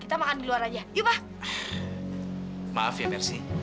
apaan gua dapet